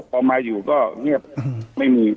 พอมาอยู่ก็เงียบไม่มี